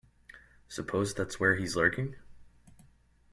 Suppose that's where he's lurking?